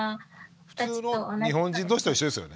普通の日本人同士と一緒ですよね。